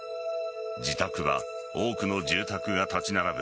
自宅は、多くの住宅が立ち並ぶ